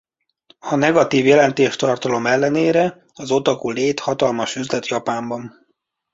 A negatív jelentéstartalom ellenére az otaku-lét hatalmas üzlet Japánban.